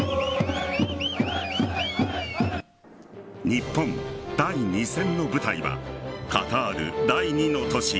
日本、第２戦の舞台はカタール第２の都市